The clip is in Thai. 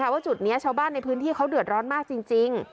ว่าจุดนี้ชาวบ้านในพื้นที่เขาเดือดร้อนมากจริง